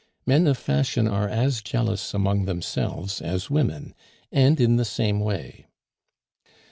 Men of fashion are as jealous among themselves as women, and in the same way.